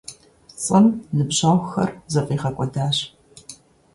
ПцӀым ныбжьэгъухэр зэфӀигъэкӀуэдащ.